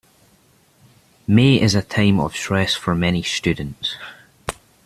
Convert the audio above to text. May is a time of stress for many students.